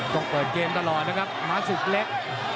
ต้องเปิดเกมตลอดนะครับม้าศึกเล็ก